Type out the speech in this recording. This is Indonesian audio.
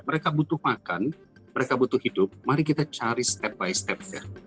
mereka butuh makan mereka butuh hidup mari kita cari step by step ya